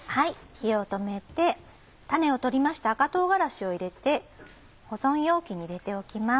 火を止めて種を取りました赤唐辛子を入れて保存容器に入れておきます。